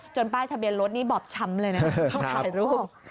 ป้ายทะเบียนรถนี่บอบช้ำเลยนะต้องถ่ายรูป